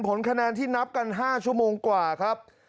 ผลคะแนนที่นับกัน๕ชั่วโมงกว่าครับ